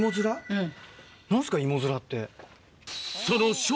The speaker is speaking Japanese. うん。